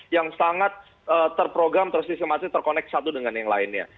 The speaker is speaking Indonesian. yang sangat terprogram tersisimasi terkonek satu dengan yang lainnya